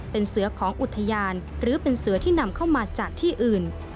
เป็นเสือของอุทยานหรือเป็นเสือที่นำเข้ามาจากที่อื่น